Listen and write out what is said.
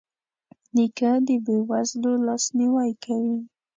نیکه د بې وزلو لاسنیوی کوي.